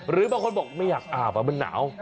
หรือบางคนบอกไม่อยากอาบมันหนาว